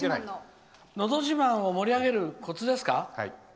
「のど自慢」を盛り上げるコツですか？